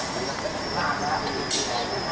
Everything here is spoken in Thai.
สวัสดีครับ